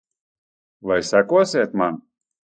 Vai sekosiet man?